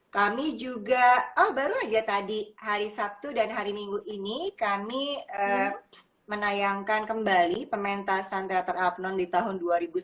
kami juga oh baru aja tadi hari sabtu dan hari minggu ini kami menayangkan kembali pementasan teater abnon di tahun dua ribu sembilan belas